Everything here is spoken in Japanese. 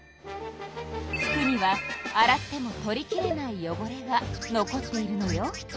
服には洗っても取りきれないよごれが残っているのよ。